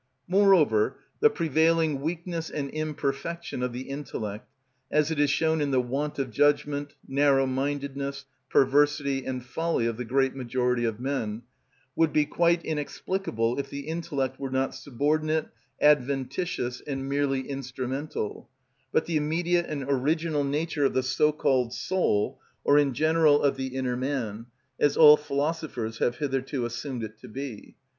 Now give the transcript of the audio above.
Moreover, the prevailing weakness and imperfection of the intellect, as it is shown in the want of judgment, narrow mindedness, perversity, and folly of the great majority of men, would be quite inexplicable if the intellect were not subordinate, adventitious, and merely instrumental, but the immediate and original nature of the so called soul, or in general of the inner man: as all philosophers have hitherto assumed it to be.